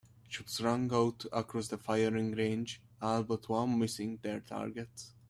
Shots rang out across the firing range, all but one missing their targets.